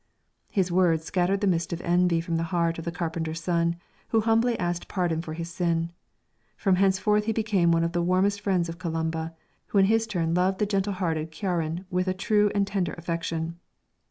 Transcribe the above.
His words scattered the mist of envy from the heart of the carpenter's son, who humbly asked pardon for his sin. From henceforth he became one of the warmest friends of Columba, who in his turn loved the gentle hearted Ciaran with a true and tender affection.